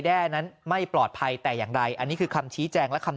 แด้นั้นไม่ปลอดภัยแต่อย่างใดอันนี้คือคำชี้แจงและคำ